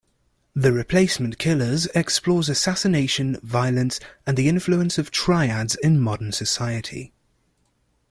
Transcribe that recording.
"The Replacement Killers" explores assassination, violence and the influence of triads in modern society.